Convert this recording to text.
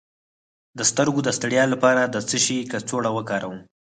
د سترګو د ستړیا لپاره د څه شي کڅوړه وکاروم؟